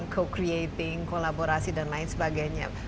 co creating kolaborasi dan lain sebagainya